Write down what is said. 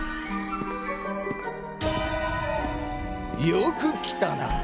よく来たな。